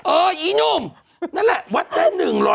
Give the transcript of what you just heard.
อีหนุ่มนั่นแหละวัดได้๑๐๐